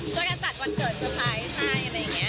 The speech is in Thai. เจอกันจัดวันเกิดนิดหนึ่ง